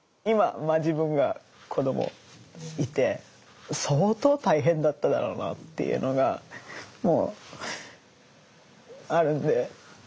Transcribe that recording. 今自分が子どもいて相当大変だっただろうなっていうのがあるんで。